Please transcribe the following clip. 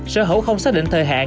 sở hữu không xác định thời hạn